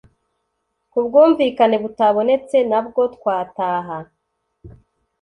kubwumvikane butabonetse nabwo twataha